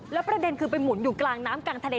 แล้วประเด็นคือไปหมุนอยู่กลางน้ำกลางทะเล